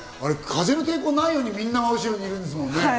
風の抵抗がないように、みんな後ろにいるんですもんね。